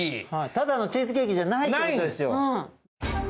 ただのチーズケーキじゃないってことですよ。